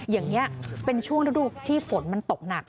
อย่างนี้เป็นช่วงฤดูที่ฝนมันตกหนัก